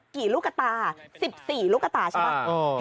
กี่ลูกกระตา๑๔ลูกกระตาใช่ป่ะ